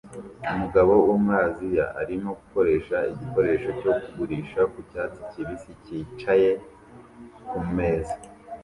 Umugabo wo muri Aziya arimo gukoresha igikoresho cyo kugurisha ku cyatsi kibisi cyicaye ku meza